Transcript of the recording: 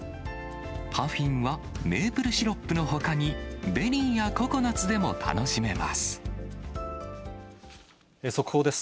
パフィンはメープルシロップのほかに、ベリーやココナッツでも楽しめます。